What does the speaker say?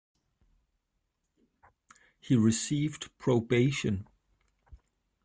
He received probation.